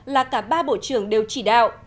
là cả ba bộ trưởng đều chỉ đạo